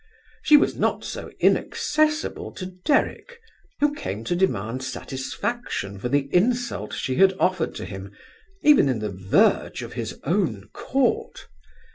She was not so inaccessible to Derrick, who came to demand satisfaction for the insult she had offered to him, even in the verge of his own court.